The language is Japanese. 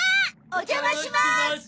お邪魔します！